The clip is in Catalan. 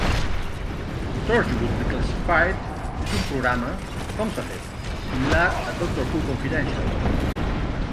"Torchwood Declassified" és un programa "com-s'ha-fet" similar a "Doctor Who Confidential".